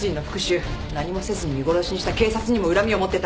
何もせずに見殺しにした警察にも恨みを持ってた。